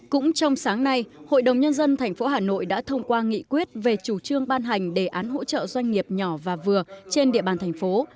cũng trong sáng nay hội đồng nhân dân tp hà nội đã thông qua nghị quyết về chủ trương ban hành đề án hỗ trợ doanh nghiệp nhỏ và vừa trên địa bàn thành phố